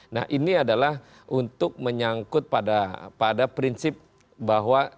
nah ini adalah untuk menyangkut pada prinsip bahwa